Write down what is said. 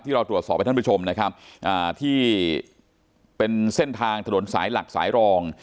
เราตรวจสอบให้ท่านผู้ชมนะครับที่เป็นเส้นทางถนนสายหลักสายรอง